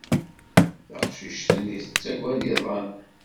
Taqcict-nni tettagad iḍan.